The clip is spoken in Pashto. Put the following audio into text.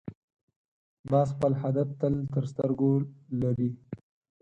باز خپل هدف تل تر سترګو لري